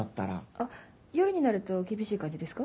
あっ夜になると厳しい感じですか？